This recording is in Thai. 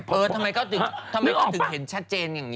เออทำไมเขาถึงเห็นชัดเจนอย่างนี้